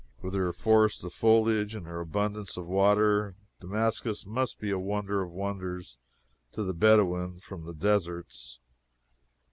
With her forest of foliage and her abundance of water, Damascus must be a wonder of wonders to the Bedouin from the deserts.